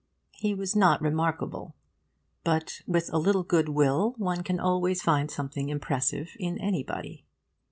He was not remarkable. But with a little good will one can always find something impressive in anybody.